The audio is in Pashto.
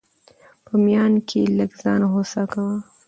په ميان کي لږ ځان هوسا کوه!